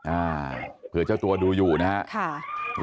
อ่าเผื่อเจ้าตัวดูอยู่นะครับ